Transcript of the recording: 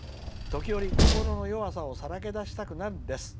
時折、心の弱さをさらけ出したくなるんです。